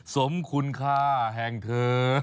สมคุณค่าแห่งเธอ